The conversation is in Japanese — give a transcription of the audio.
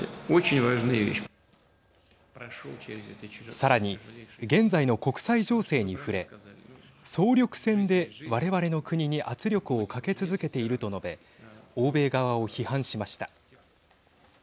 さらに現在の国際情勢に触れ総力戦で我々の国に圧力をかけ続けていると述べ欧米側を批判しました。